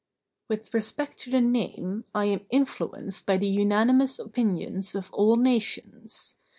With respect to the name, I am influenced by the unanimous opinions of all nations.